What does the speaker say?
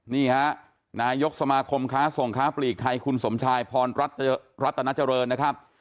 นี่ฮะนายกสมาคมค้าส่งค้าปลีกไทยคุณสมชายพรรัตนาเจริญนะครับ